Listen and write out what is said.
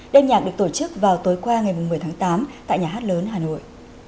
đêm nhạc được tổ chức vào tối qua ngày một mươi tháng tám tại nhà hát lớn hà nội